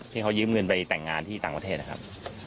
ที่เขายืมเงินไปแต่งงานที่ต่างประเทศนะครับ